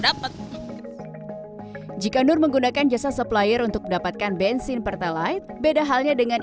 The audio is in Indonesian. dapat jika nur menggunakan jasa supplier untuk mendapatkan bensin pertalite beda halnya dengan